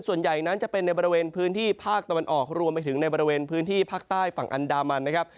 ส่วนใหญ่นั้นจะเป็นในบริเวณพื้นที่ภาคตะวันออกรวมไปถึงในบริเวณพื้นที่ภาคใต้ฝั่งอันดามันนะครับ